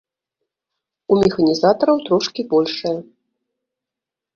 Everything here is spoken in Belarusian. У механізатараў трошкі большыя.